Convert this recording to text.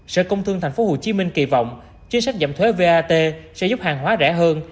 sở công thương tp hcm kỳ vọng chính sách giảm thuế vat sẽ giúp hàng hóa rẻ hơn